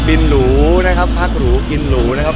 บินหรูพักหรูกินหรูนะครับ